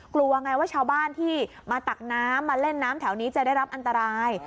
กลัวไงว่าชาวบ้านที่มาตักน้ำมาเล่นน้ำแถวนี้จะได้รับอันตราย